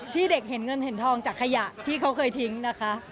ที่เด็กเห็นเงินเห็นทองจากขยะที่เขาเคยทิ้งนะคะ